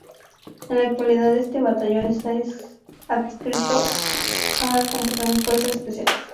En la actualidad este Batallón está adscrito al Comando de Fuerzas Especiales.